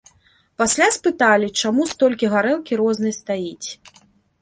Пасля спыталі, чаму столькі гарэлкі рознай стаіць?